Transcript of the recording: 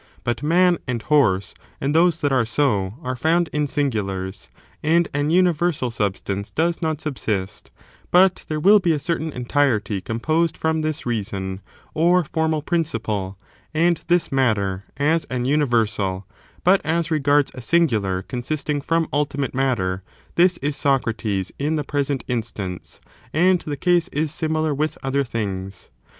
But man and horse, and those that are so, are found in singulars. And an imiyersal substance does not subsist ; but there will be a certain entirety composed from this reason or formal principle, and this matter as an universal : but as regards a singular consisting from ultimate matter, this is Socrates, in the present instance, and the case is similar with other things.